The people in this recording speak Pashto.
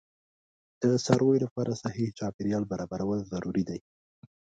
د څارویو لپاره صحي چاپیریال برابرول ضروري دي.